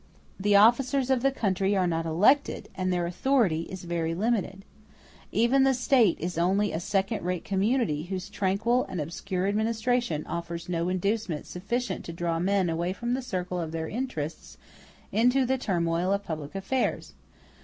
The officers of the country are not elected, and their authority is very limited. Even the State is only a second rate community, whose tranquil and obscure administration offers no inducement sufficient to draw men away from the circle of their interests into the turmoil of public affairs.